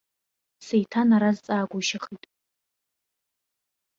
Сеиҭанаразҵаагәышьахит.